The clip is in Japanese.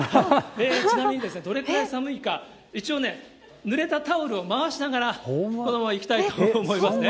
ちなみにですね、どれくらい寒いか、一応ね、ぬれたタオルを回しながら、このままいきたいと思いますね。